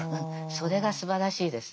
それがすばらしいです。